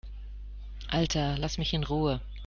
Alter, lass mich in Ruhe!